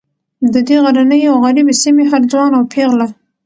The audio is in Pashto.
د دې غرنۍ او غریبې سیمې هر ځوان او پیغله